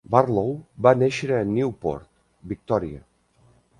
Barlow va néixer a Newport, Victòria.